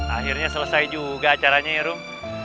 akhirnya selesai juga acaranya ya rum